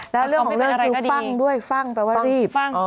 แล้วเรื่องของเรื่องคือฟังด้วยฟังแปลว่ารีบ